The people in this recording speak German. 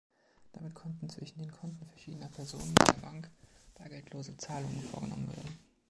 Damit konnten zwischen den Konten verschiedener Personen bei der Bank bargeldlose Zahlungen vorgenommen werden.